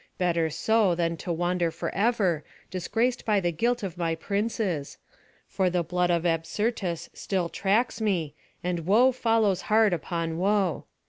Better so, than to wander forever, disgraced by the guilt of my princes; for the blood of Absyrtus still tracks me, and woe follows hard upon woe.